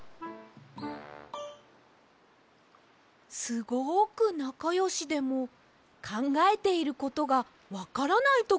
すごくなかよしでもかんがえていることがわからないときもあるようです！